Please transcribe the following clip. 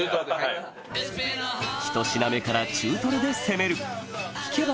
ひと品目から中トロで攻める聞けば